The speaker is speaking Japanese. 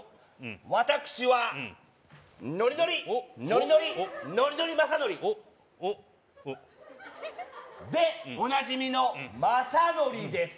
私はのりのりのりのりのりのりまさのりでおなじみのまさのりです